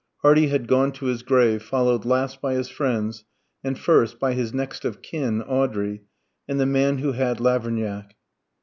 Hardy had gone to his grave, followed last by his friends, and first by his next of kin, Audrey, and the man who had Lavernac.